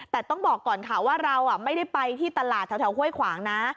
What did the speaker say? แต่ต้องบอกก่อนค่ะว่าเราไม่ได้ไปที่ตลาดแถวห้วยขวางนะ